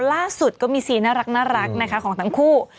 ล่าสุดก็มีซีนน่ารักนะคะของทั้งคู่